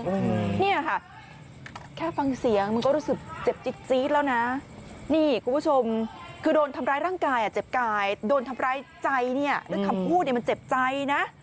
เนี่ยค่ะแค่ฟังเสียงมันก็รู้สึกเจ็บจิ๊ดจี๊ดแล้วนะนี่คุณผู้ชมคือโดนทำร้ายร่างกายอ่ะเจ็บกายโดนทำร้ายใจเนี่ยด้วยคำพูดเนี่ยมันเจ็บใจนะ